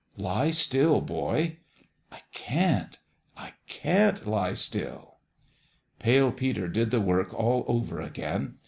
Lie still, boy." " I can't I can't lie still." Pale Peter did the work all over again.